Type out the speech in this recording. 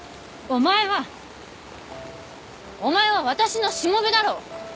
お前は私のしもべだろ！